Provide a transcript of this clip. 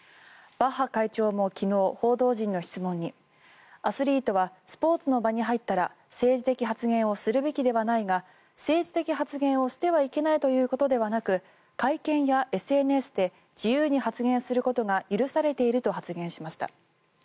バッハ会長も昨日報道陣の質問にアスリートはスポーツの場に入ったら政治的発言をするべきではないが政治的発言をしてはいけないということではなく会見やＳＮＳで自由に発言することが許されていると発言しました。